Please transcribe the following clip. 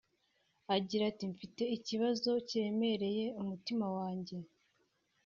Agira ati “Mfite ikibazo kiremereye umutima wanjye